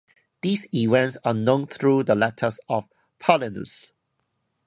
These events are known through the letters of Paulinus.